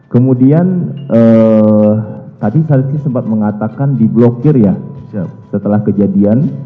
kemudian tadi saksi sempat mengatakan diblokir ya setelah kejadian